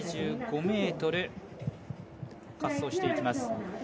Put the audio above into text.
８５ｍ、滑走していきます。